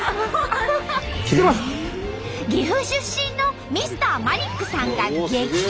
岐阜出身のＭｒ．マリックさんが激突！